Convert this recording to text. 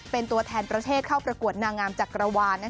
เป็นตัวแทนประเทศเข้าประกวดนางงามจักรวาล